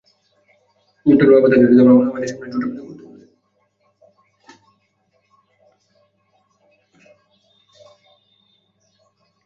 গৌতমের বাবা তাকে আমাদের জুতোপিটা করতে বলে।